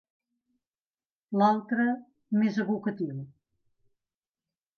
L'altre, més evocatiu.